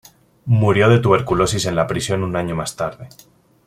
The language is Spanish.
Murió de tuberculosis en la prisión un año más tarde.